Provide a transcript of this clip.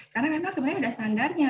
karena memang sebenarnya ada standarnya